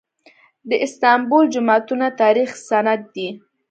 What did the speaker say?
د استانبول جوماتونه د تاریخ سند دي.